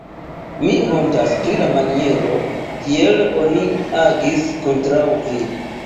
mi hontas pri la maniero, kiel oni agis kontraŭ vi.